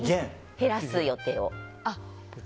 減らすの、予定を。